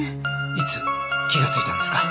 いつ気がついたんですか？